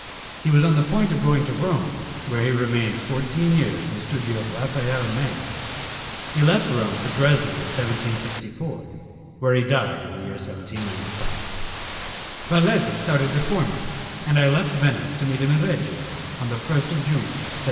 He was on the point of going to Rome, where he remained fourteen years in the studio of Raphael Mengs. He left Rome for Dresden in 1764, where he died in the year 1795. Baletti started before me, and I left Venice, to meet him in Reggio, on the 1st of June, 1750.